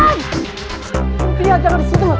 lihat jangan disitu